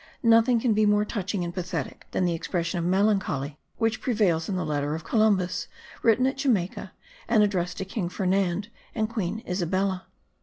Nothing can be more touching and pathetic than the expression of melancholy which prevails in the letter of Columbus, written at Jamaica, and addressed to King Ferdinand and Queen Isabella.